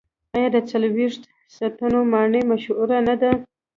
آیا د څلوېښت ستنو ماڼۍ مشهوره نه ده؟